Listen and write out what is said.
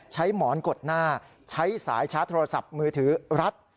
หมอนกดหน้าใช้สายชาร์จโทรศัพท์มือถือรัด